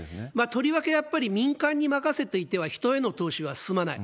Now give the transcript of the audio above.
とりわけ、やっぱり民間に任せていては人への投資は進まない。